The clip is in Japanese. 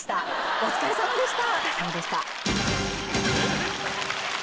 お疲れさまでした。